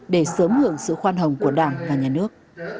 để sớm hưởng sự khoan hồng của đảng và nhà nước